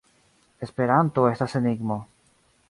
Esperanto estas enigmo.